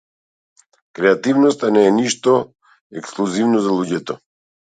Креативноста не е нешто ексклузивно за луѓето.